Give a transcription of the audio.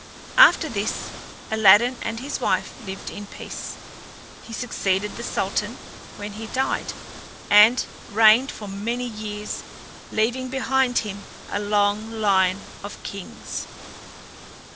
After this Aladdin and his wife lived in peace. He succeeded the Sultan when he died, and reigned for many years, leaving behind him a long line of kings.